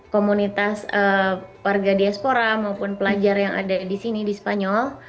komunitas warga diaspora maupun pelajar yang ada di sini di spanyol